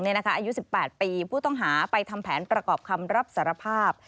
อายุ๑๘ปีผู้ต้องหาไปทำแผนประกอบคำรับสารภาพ